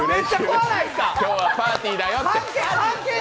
今日はパーティーだよって。